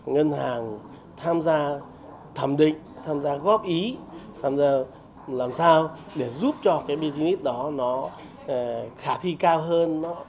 ngân hàng tham gia thẩm định tham gia góp ý tham gia làm sao để giúp cho cái b g đó nó khả thi cao hơn